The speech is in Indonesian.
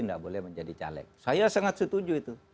tidak boleh menjadi caleg saya sangat setuju itu